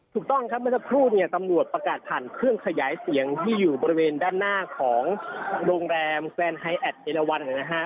ถูกต้องครับเมื่อสักครู่เนี่ยตำรวจประกาศผ่านเครื่องขยายเสียงที่อยู่บริเวณด้านหน้าของโรงแรมแฟนไฮแอดเอลวันนะฮะ